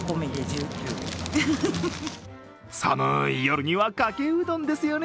寒い夜にはかけうどんですよね。